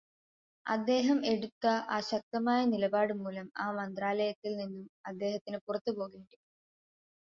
അദ്ദേഹം എടുത്ത ആ ശക്തമായ നിലപാടു മൂലം ആ മന്ത്രാലയത്തിൽ നിന്നും അദ്ദേഹത്തിനു പുറത്തു പോകേണ്ടിവന്നു.